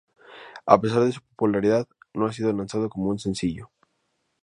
A pesar de su popularidad, no ha sido lanzado como un sencillo.